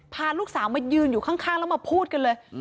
พาลูกสาวมายืนอยู่ข้างแล้วมาพูดกันเลย